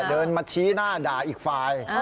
เดินมาชี้หน้าด่าอีกฝ่าย